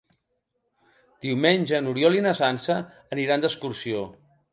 Diumenge n'Oriol i na Sança aniran d'excursió.